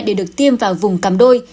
để được tiêm vào vùng cảm đôi